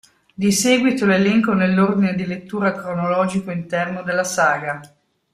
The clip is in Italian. Di seguito l'elenco nell'ordine di lettura cronologico interno della saga.